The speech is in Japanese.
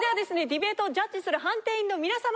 ディベートをジャッジする判定員の皆様